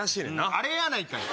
あれやないかい！